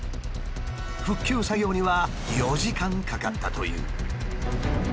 復旧作業には４時間かかったという。